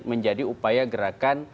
menjadi upaya gerakan